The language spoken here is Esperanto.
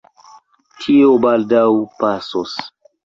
Tio baldaŭ pasos.